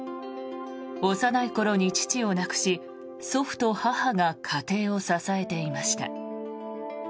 幼い頃に父を亡くし、祖父と母が家庭を支えていました。